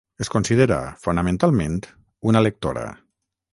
Es considera fonamentalment una lectora.